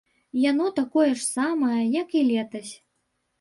Яно такое ж самае, як і летась.